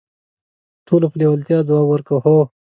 ټولو په لیوالتیا ځواب ورکړ: "هو".